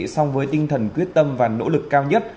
song với tinh thần quyết tâm và nỗ lực cao nhất